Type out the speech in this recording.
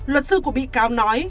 luật sư của bị cáo nói